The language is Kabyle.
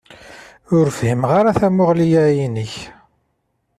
Ur fhimeɣ ara tamuɣli-ya-inek.